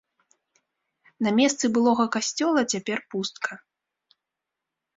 На месцы былога касцёла цяпер пустка.